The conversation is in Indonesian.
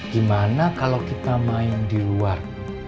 gimana kalau kita main di luar